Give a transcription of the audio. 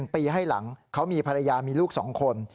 ๑ปีให้หลังเขามีภรรยามีลูก๒คน